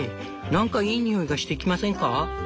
なんかいい匂いがしてきませんか？」。